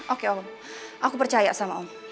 oke om aku percaya sama om